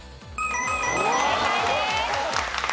正解です。